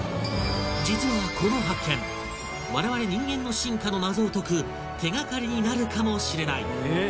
実はこの発見われわれ人間の進化の謎を解く手掛かりになるかもしれない！